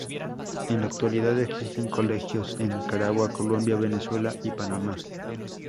En la actualidad existen colegios en Nicaragua, Colombia, Venezuela y Panamá.